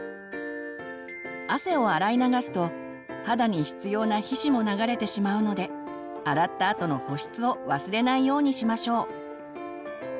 汗を洗い流すと肌に必要な皮脂も流れてしまうので洗ったあとの保湿を忘れないようにしましょう。